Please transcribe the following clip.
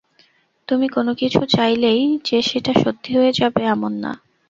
তুমি কোনোকিছু চাইলেই যে সেটা সত্যি হয়ে যাবে, এমন না।